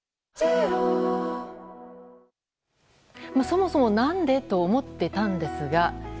そもそも何で？と思ってたんですが。